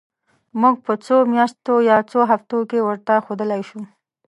موږ په څو میاشتو یا څو هفتو کې ورته ښودلای شو.